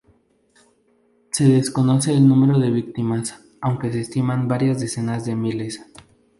Se desconoce el número de víctimas, aunque se estiman varias decenas de miles.